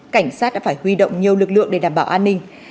cảnh sát đã phải huy động nhiều lực lượng để đảm bảo an ninh